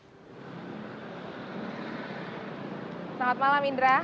selamat malam indra